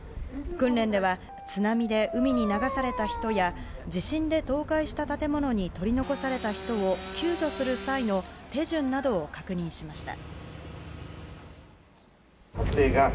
訓練では津波で海に流された人や地震で倒壊した建物に取り残された人を救助する際の手順などを確認しました。